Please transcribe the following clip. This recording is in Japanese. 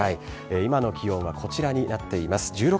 今の気温はこちらになっています。